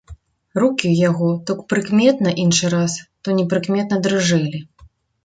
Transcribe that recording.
Рукі ў яго то прыкметна іншы раз, то непрыкметна дрыжэлі.